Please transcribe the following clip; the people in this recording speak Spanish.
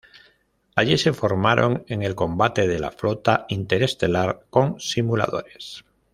Allí se formaron en el combate de la flota interestelar con simuladores.